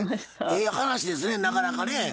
ええ話ですねなかなかね。